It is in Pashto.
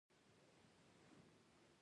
له ګردو موټرانو څخه تور دودونه پورته وو.